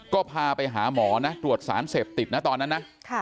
ก็พาไปหาหมอนะตรวจสารเสพติดนะตอนนั้นนะ